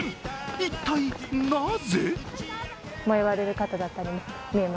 一体なぜ？